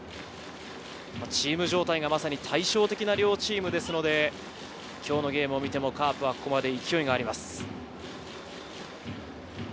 チーム状態が対照的な両チームですので、今日のゲームを見てもカープはここまで勢いがあります。